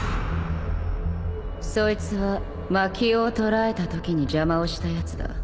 そいつはまきをを捕らえたときに邪魔をしたやつだ